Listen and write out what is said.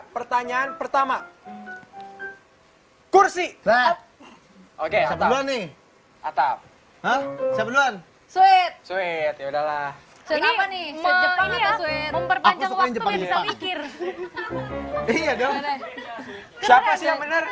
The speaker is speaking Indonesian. pertanyaan pertama kursi oke hati hati atap atap